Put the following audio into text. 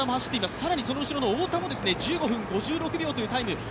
更にその後ろの太田も１５分５６秒というタイム。